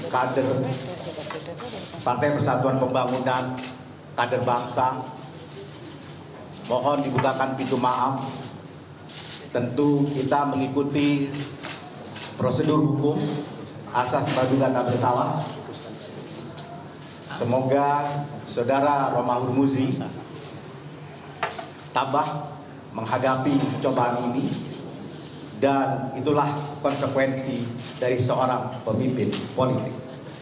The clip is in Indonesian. kepada pemerintah saya ingin mengucapkan terima kasih kepada pemerintah pemerintah yang telah menonton